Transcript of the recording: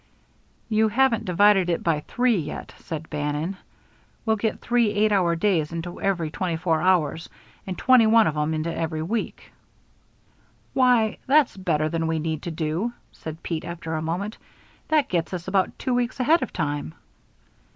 "You haven't divided by three yet," said Bannon. "We'll get three eight hour days into every twenty four hours, and twenty one of 'em into every week." "Why, that's better than we need to do," said Pete, after a moment. "That gets us about two weeks ahead of time."